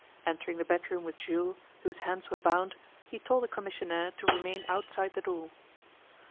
Entering the bedroom with Jules, whose hands were bound, he told the commissionaire to remain outside the door.